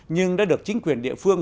nhưng đã được chính quyền địa phương